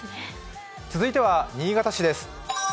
続いては新潟市です。